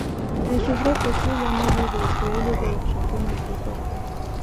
د شهرت اصلي لامل یې د اسرائیلو د وحشتونو پوښښ و.